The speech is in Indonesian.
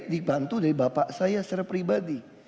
dibantu dari bapak saya secara pribadi